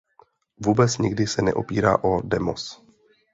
Vůbec nikdy se neopírá o demos.